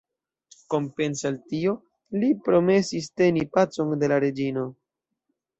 Kompense al tio, li promesis teni „pacon de la reĝino“.